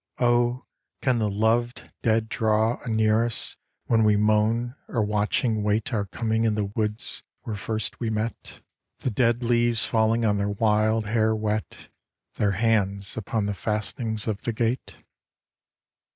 Oh ! can the loved dead draw Anear us when we moan, or watching wait Our coming in the woods where first we met. AN OLD PAIN 87 The dead leaves falling on their wild hair wet, Their hands upon the fastenings of the gate?